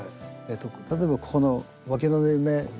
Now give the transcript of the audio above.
例えばここのわきの縫い目。